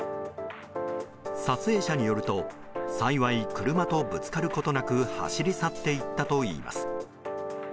撮影者によると幸い、車とぶつかることなく走り去っていったといいます。